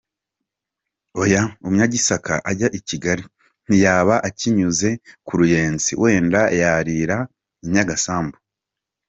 Oya, Umunyagisaka ajya I Kigali ntiyaba akinyuze ku Ruyenzi, wenda yayirira I Nyagasambu.